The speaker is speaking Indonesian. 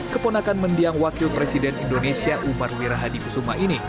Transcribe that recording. keponakan mendiang wakil presiden indonesia umar wirahadi kusuma ini